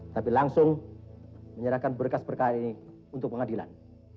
tapi langsung menyerahkan berkas perkara ini untuk pengadilan